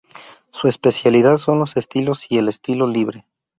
Su especialidad son los estilos y el estilo libre.